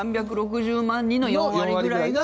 ３６０万人の４割ぐらいが。